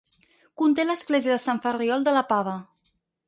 Conté l'església de Sant Ferriol de la Pava.